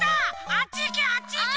あっちいけあっちいけ！